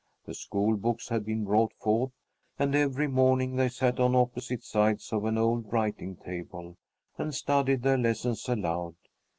The school books had been brought forth, and every morning they sat on opposite sides of an old writing table and studied their lessons aloud.